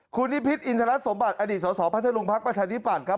คุณนิพิษอินทรัศน์สมบัติอดีตสศพระเทศรุงพรรคประชานิปันครับ